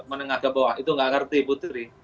menengah ke bawah itu tidak mengerti putri